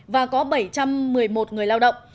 và có bảy trăm một mươi một người lao động